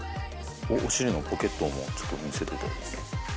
お尻のポケットもちょっと見せていただけますか？